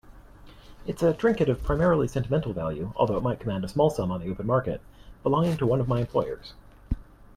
It's a trinket of primarily sentimental value, although it might command a small sum on the open market, belonging to one of my employers.